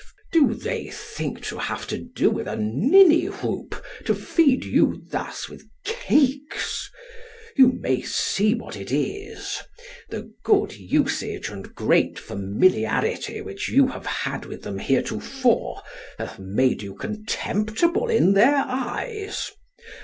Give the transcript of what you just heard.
Do they think to have to do with a ninnywhoop, to feed you thus with cakes? You may see what it is. The good usage and great familiarity which you have had with them heretofore hath made you contemptible in their eyes.